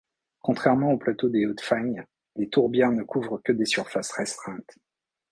Contrairement au plateau des Hautes Fagnes, les tourbières ne couvrent que des surfaces restreintes.